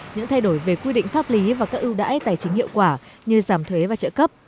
những thay đổi về quy định pháp lý và các ưu đãi tài chính hiệu quả như giảm thuế và trợ cấp